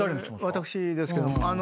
私ですけど。